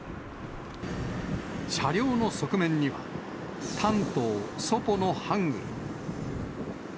車両の側面には、丹東、ソポのハングル。